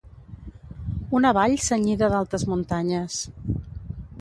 Una vall cenyida d'altes muntanyes.